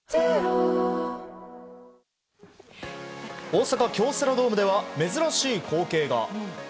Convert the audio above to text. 大阪京セラドームでは珍しい光景が。